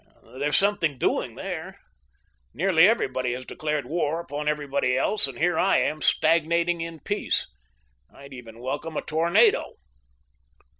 There's something doing there. Nearly everybody has declared war upon everybody else, and here I am stagnating in peace. I'd even welcome a tornado."